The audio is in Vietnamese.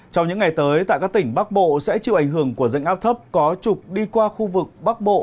trong những ngày tới tại các tỉnh bắc bộ sẽ chịu ảnh hưởng của rãnh áp thấp có trục đi qua khu vực bắc bộ